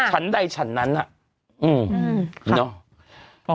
ฉันใดฉันนั้นหรอก